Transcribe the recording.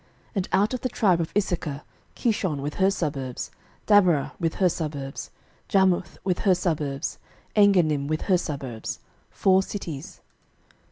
06:021:028 And out of the tribe of Issachar, Kishon with her suburbs, Dabareh with her suburbs, 06:021:029 Jarmuth with her suburbs, Engannim with her suburbs; four cities.